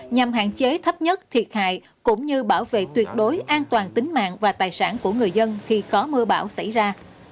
nhằm hạn chế thấp nhất thiệt hại cũng như bảo vệ tuyệt đối an toàn tính mạng và tài sản của người dân khi có mưa bão xảy ra